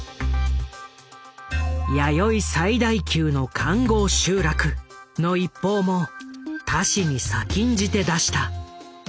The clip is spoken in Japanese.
「弥生最大級の環濠集落」の一報も他紙に先んじて出した。